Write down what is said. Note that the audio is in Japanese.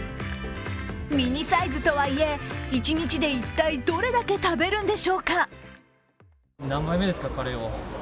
ミニサイズとはいえ、一日で一体どれだけ食べるのでしょうか。